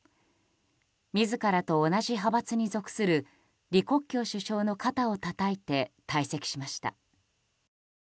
自らと同じ派閥に属する李克強首相の肩をたたいて退席しました。